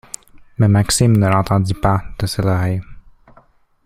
Mais Maxime ne l’entendit pas de cette oreille.